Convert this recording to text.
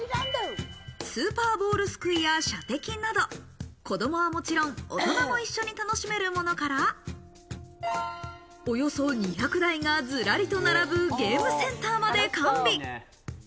スーパーボールすくいや射的など、子供はもちろん大人も一緒に楽しめるものから、およそ２００台がずらりと並ぶゲームセンターまで完備。